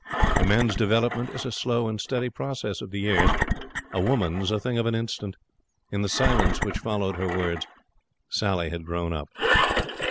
A man's development is a slow and steady process of the years a woman's a thing of an instant. In the silence which followed her words Sally had grown up.